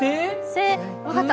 分かった！